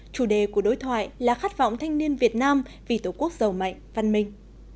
chủ đề của đối thoại là khát vọng thanh niên việt nam vì tổ quốc giàu mạnh văn minh